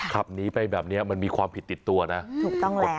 ขับหนีไปแบบนี้มันมีความผิดติดตัวนะถูกต้องหมด